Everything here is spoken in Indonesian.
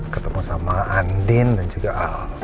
ketemu sama andin dan juga al